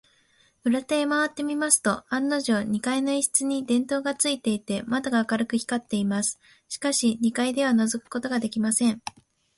裏手へまわってみますと、案のじょう、二階の一室に電燈がついていて、窓が明るく光っています。しかし、二階ではのぞくことができません。